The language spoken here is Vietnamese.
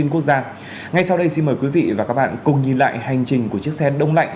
ngay sau đây xin mời quý vị và các bạn cùng nhìn lại hành trình của chiếc xe đông lạnh